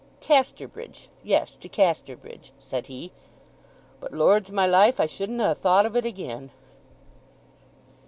—Casterbridge—yes—to Casterbridge, said he. But, Lord's my life, I shouldn't ha' thought of it again!"